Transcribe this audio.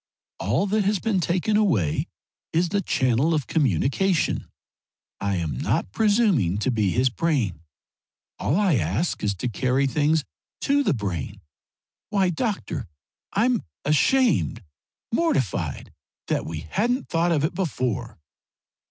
All that has been taken away is the channel of communication. I am not presuming to be his brain. All I ask is to carry things to the brain. Why, doctor, I'm ashamed, mortified that we hadn't thought of it before!"